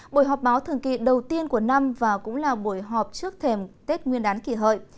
buổi họp báo thường kỳ đầu tiên của năm và cũng là buổi họp trước thềm tết nguyên đán kỷ hợi